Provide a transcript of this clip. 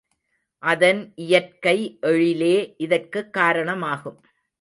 அதன் இயற்கை எழிலே இதற்குக் காரணமாகும்.